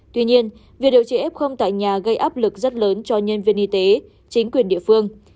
tuy nhiên việc điều trị f tại nhà gây áp lực rất lớn cho nhân viên y tế chính quyền địa phương